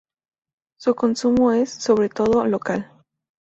Su consumo es, sobre todo, local.